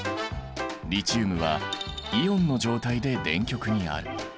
リチウムはイオンの状態で電極にある。